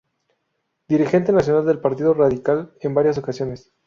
Dirigente nacional del Partido Radical en varias ocasiones.